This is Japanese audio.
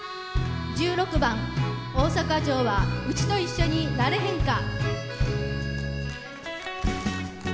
１６番「大阪情話うちと一緒になれへんか」。